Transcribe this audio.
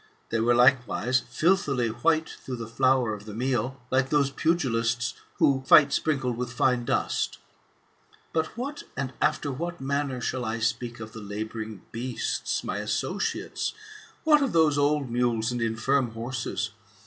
They were likewise filthily white through the flour of the mill, like those pugilists, who fight sprinkled with fine dust. But what, and after what manner, shall I speak of the labouring beasts, my associates ? What of those old mules and infirm horses